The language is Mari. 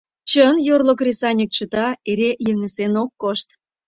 Чын, йорло кресаньык чыта, эре йыҥысен ок кошт.